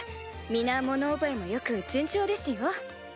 皆物覚えも良く順調ですよ。